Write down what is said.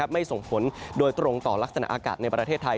ไม่ส่งผลโดยตรงต่อลักษณะอากาศในประเทศไทย